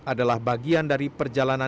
adalah bagian dari perjalanan